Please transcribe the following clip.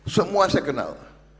semua saya kenal